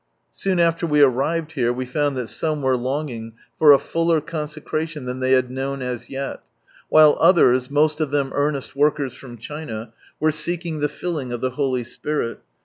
Soon after we arrived here we found that some were longing for a fuller con secration than they had known as yet, while others, most of them earnest workers from China, were seeking the filling of the Holy Spirit.